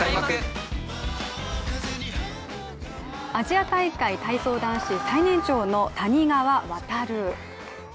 アジア大会体操男子最年長の谷川航。